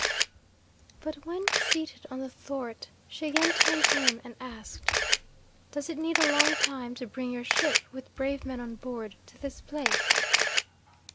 But when seated on the thwart she again turned to him, and asked: "Does it need a long time to bring your ship, with brave men on board, to this place?"